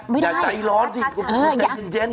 ไม่ได้อยากใจร้อนจริงใจเย็น